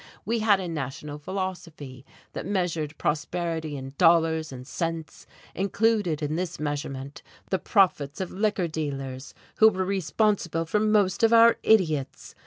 We had a national philosophy that measured prosperity in dollars and cents, included in this measurement the profits of liquor dealers who were responsible for most of our idiots.